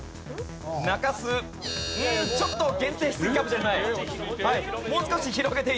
ちょっと限定しすぎかもしれない。